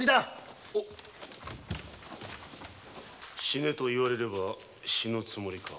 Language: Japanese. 死ねと言われれば死ぬつもりか。